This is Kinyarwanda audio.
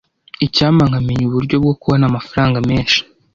Icyampa nkamenya uburyo bwo kubona amafaranga menshi.